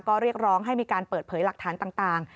ก็เรียกร้องให้มีการเปิดเผยหลักฐานต่าง